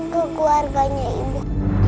ke keluarganya ibu